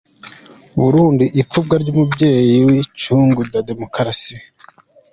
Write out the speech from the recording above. Burundi: Ipfubwa ry'Umuvyeyi w'Incungu ya Demokarasi